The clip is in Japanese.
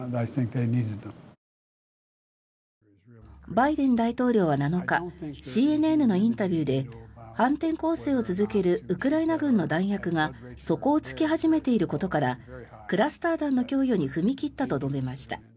バイデン大統領は７日ＣＮＮのインタビューで反転攻勢を続けるウクライナ軍の弾薬が底を突き始めていることからクラスター弾の供与に踏み切ったと述べました。